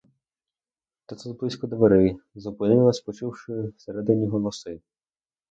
Та тут близько дверей зупинилась, почувши всередині голоси.